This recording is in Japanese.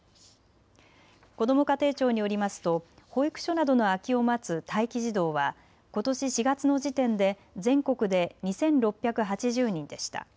こども家庭庁によりますと保育所などの空きを待つ待機児童はことし４月の時点で全国で２６８０人でした。